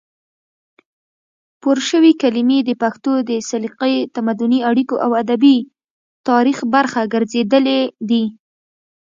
پورشوي کلمې د پښتو د سلیقې، تمدني اړیکو او ادبي تاریخ برخه ګرځېدلې دي،